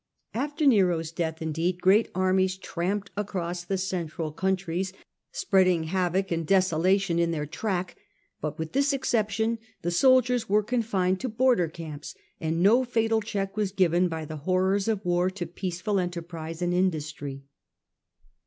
After war to the Ncro's death, indeed, great armies tramped frontiers, across the central countries, spreading havoc and desolation in their track, but with this exception the soldiers were confined to border camps, and no fatal check was given by the horrors of war to peaceful enter prise and industry.